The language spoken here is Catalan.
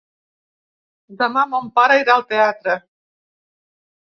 Demà mon pare irà al teatre.